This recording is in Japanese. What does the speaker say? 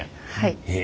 へえ。